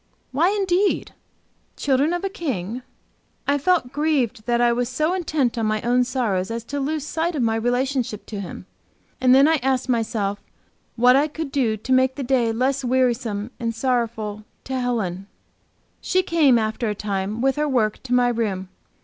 Why, indeed? Children of a King? I felt grieved that I was so intent on my own sorrows as to lose sight of my relationship to Him. And then I asked myself what I could do to make the day less wearisome and sorrowful to Helen. She came, after a time, with her work to my room.